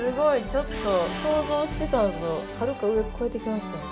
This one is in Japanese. ちょっと想像してたのとはるか上超えてきました。